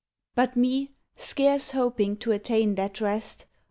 But me, scarce hoping to attain that rest.